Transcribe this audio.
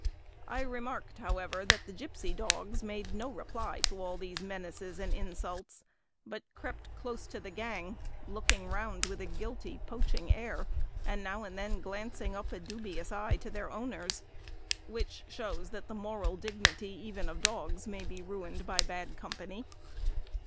I remarked, however, that the gipsy dogs made no reply to all these menaces and insults, but crept close to the gang, looking round with a guilty, poaching air, and now and then glancing up a dubious eye to their owners; which shows that the moral dignity, even of dogs, may be ruined by bad company!